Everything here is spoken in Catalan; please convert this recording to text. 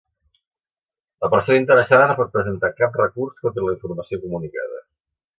La persona interessada no pot presentar cap recurs contra la informació comunicada.